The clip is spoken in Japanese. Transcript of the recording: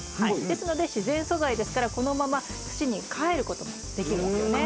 ですので自然素材ですからこのまま土にかえることもできるんですよね。